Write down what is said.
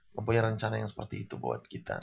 mempunyai rencana yang seperti itu buat kita